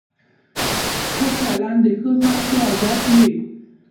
ښه چلند د ښو خلکو عادت وي.